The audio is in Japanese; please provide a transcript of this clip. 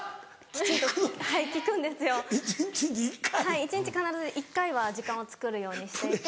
はい一日必ず１回は時間をつくるようにしていて。